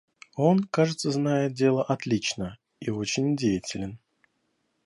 Он, кажется, знает дело отлично и очень деятелен.